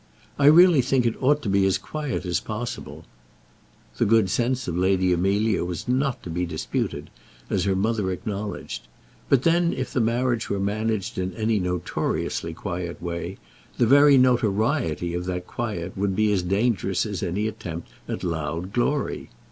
I really think it ought to be as quiet as possible." The good sense of Lady Amelia was not to be disputed, as her mother acknowledged. But then if the marriage were managed in any notoriously quiet way, the very notoriety of that quiet would be as dangerous as an attempt at loud glory.